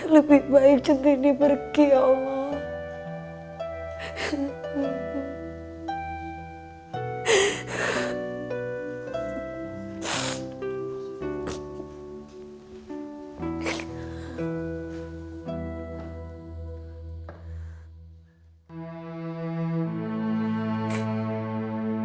lebih baik centini pergi ya allah